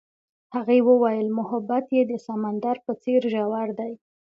هغې وویل محبت یې د سمندر په څېر ژور دی.